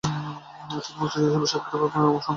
তিনি মুক্তিযোদ্ধা হিসেবে সক্রিয়ভাবে অংশগ্রহণ করেন।